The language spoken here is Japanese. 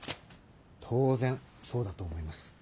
当然そうだと思います。